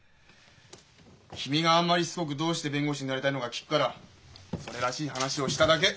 君があんまりしつこくどうして弁護士になりたいのか聞くからそれらしい話をしただけ。